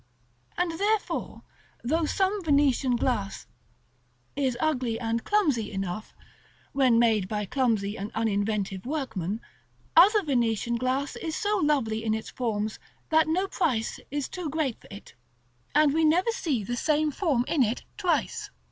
And therefore, though some Venetian glass is ugly and clumsy enough, when made by clumsy and uninventive workmen, other Venetian glass is so lovely in its forms that no price is too great for it; and we never see the same form in it twice.